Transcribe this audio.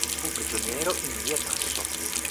Fu prigioniero in Via Tasso.